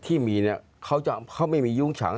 ที่มีเนี่ยเขาจะเขาไม่มียุ้งฉาง